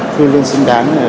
tôi luôn xin đáng